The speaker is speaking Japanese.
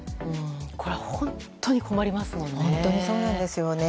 これは本当に困りますよね。